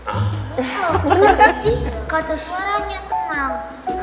oh berarti kata suaranya tenang